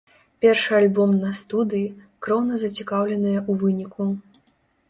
Першы альбом на студыі, кроўна зацікаўленыя ў выніку.